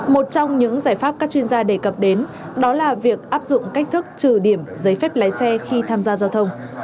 một trong những giải pháp các chuyên gia đề cập đến đó là việc áp dụng cách thức trừ điểm giấy phép lái xe khi tham gia giao thông